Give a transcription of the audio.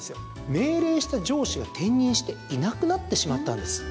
命令した上司が転任していなくなってしまったんです。